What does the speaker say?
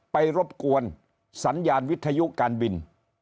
รบกวนสัญญาณวิทยุการบิน